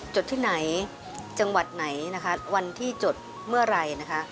จดที่ไหนจังหวัดไหนนะคะวันที่จดเมื่อไหร่นะคะ